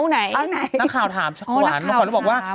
นักข่าวถามชะขวัญน้องขวัญก็บอกว่า